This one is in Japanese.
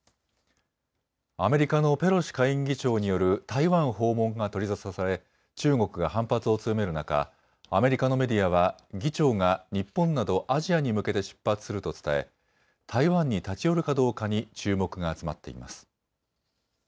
アメリカのペロシ下院議長による台湾訪問が取り沙汰され中国が反発を強める中、アメリカのメディアは議長が日本などアジアに向けて出発すると伝え台湾に立ち寄るかどうかに注目が集まっています。